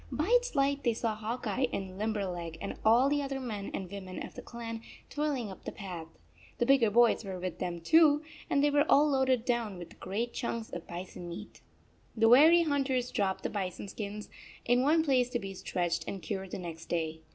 By its light they saw Hawk Eye and Limberleg and all the other men and women of the clan toiling up the path. The bigger boys were with them, too, and they were all loaded down with great chunks of bison meat ! The weary hunters dropped the bison skins in one place to be stretched and cured the next day.